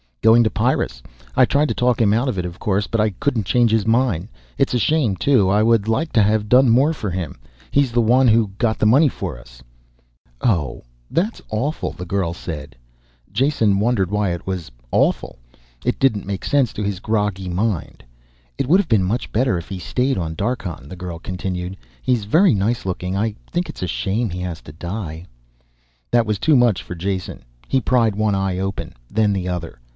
"Going to Pyrrus. I tried to talk him out of it, of course, but I couldn't change his mind. It's a shame, too, I would like to have done more for him. He's the one who got the money for us." "Oh, that's awful," the girl said. Jason wondered why it was awful. It didn't make sense to his groggy mind. "It would have been much better if he stayed on Darkhan," the girl continued. "He's very nice looking. I think it's a shame he has to die." That was too much for Jason. He pried one eye open, then the other.